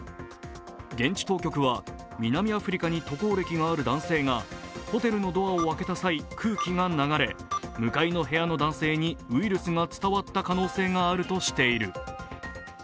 現地当局は、南アフリカに渡航歴がある男性がホテルのドアを開けた際、空気が流れ、向かいの部屋の男性にウイルスが伝わった可能性があるとしている。